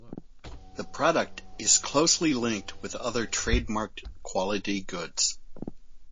The product is closely linked with other trademarked quality goods.